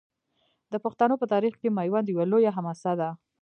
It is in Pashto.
د پښتنو په تاریخ کې میوند یوه لویه حماسه ده.